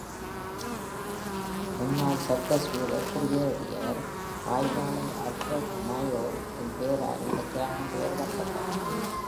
முன்னாள் சர்க்கஸ் வீரர், குடியேறியவர், ஆய்வாளர் Alfred Mayo இன் பெயரால் இந்த கிராமம் பெயரிடப்பட்டது.